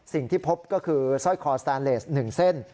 สิ่งที่พบก็คือสร้อยคอสแตนเลส๑เส้น